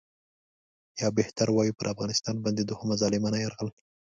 یا بهتر ووایو پر افغانستان باندې دوهم ظالمانه یرغل.